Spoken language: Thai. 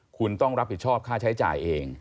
คุณต้องรับผิดชอบค่าใช้จ่ายเอง